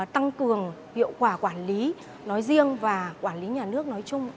tăng cường hiệu quả quản lý nói riêng và quản lý nhà nước nói chung